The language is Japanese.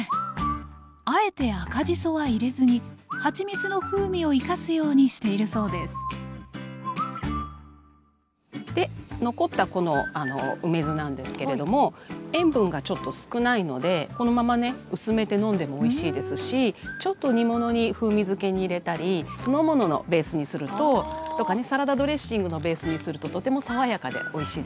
あえて赤じそは入れずにはちみつの風味を生かすようにしているそうですで残ったこの梅酢なんですけれども塩分がちょっと少ないのでこのままね薄めて飲んでもおいしいですしちょっと煮物に風味づけに入れたり酢の物のベースにするととかねサラダドレッシングのベースにするととても爽やかでおいしいですよ。